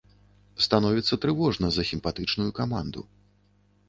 Становіцца трывожна за сімпатычную каманду.